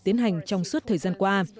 tiến hành trong suốt thời gian qua